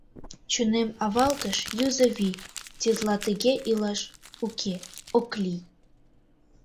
Чонем авалтыш юзо вий, Тетла тыге илаш уке, ок лий.